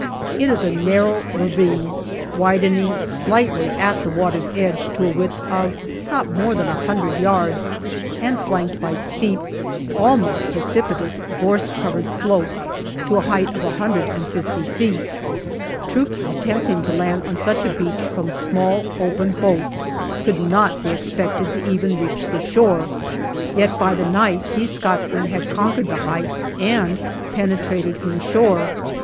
It is a narrow ravine, widening slightly at the water's edge to a width of not more than a hundred yards, and flanked by steep, almost precipitous gorse covered slopes to a height of 150 feet. Troops attempting to land on such a beach from small open boats could not be expected to even reach the shore ; yet by the night these Scotsmen had con quered the heights and penetrated inshore.